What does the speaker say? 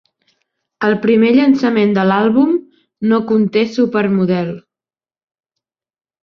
El primer llançament de l'àlbum no conté "Supermodel".